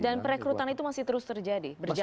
dan perekrutan itu masih terus terjadi berjalan